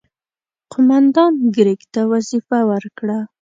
قوماندان کرېګ ته وظیفه ورکړه.